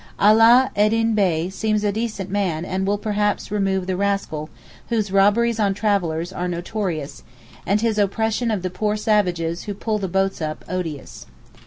Allah ed deen Bey seems a decent man and will perhaps remove the rascal, whose robberies on travellers are notorious, and his oppression of the poor savages who pull the boats up odious.